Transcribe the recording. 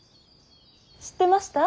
知ってました？